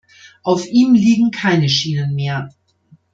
Auf ihm liegen keine Schienen mehr.